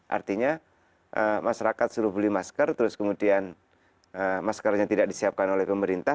artinya masyarakat suruh beli masker terus kemudian maskernya tidak disiapkan oleh pemerintah